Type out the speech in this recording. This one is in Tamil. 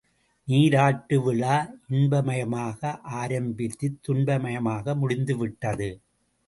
நீராட்டு விழா இன்பமயமாக ஆரம்பித்துத் துன்பமயமாக முடிந்துவிட்டது.